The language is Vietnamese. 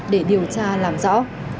để điều tra làm rõ